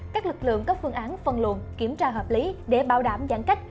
các lực lượng có phương án phân luận kiểm tra hợp lý để bảo đảm giãn cách